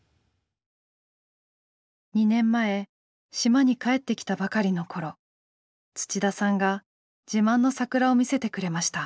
２年前島に帰ってきたばかりの頃土田さんが自慢の桜を見せてくれました。